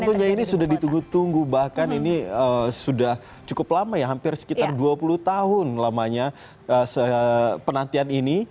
tentunya ini sudah ditunggu tunggu bahkan ini sudah cukup lama ya hampir sekitar dua puluh tahun lamanya penantian ini